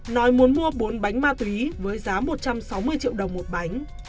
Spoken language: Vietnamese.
nói muốn mua bốn bánh ma túy với giá một trăm sáu mươi triệu đồng một bánh